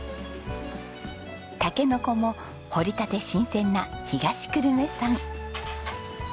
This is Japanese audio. タケノコも掘りたて新鮮な東久留米産。